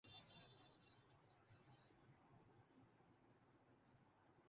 کوئٹہ کے سالہ بالر علی میکائل کو نیو زنے ڈھونڈ لیا